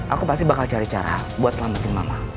aku pasti bakal cari cara buat lambutin mama